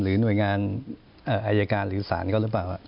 หน่วยงานอายการหรือศาลก็หรือเปล่า